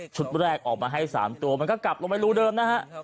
แรกออกมาให้๓ตัวมันก็กลับลงไปรูเดิมนะฮะ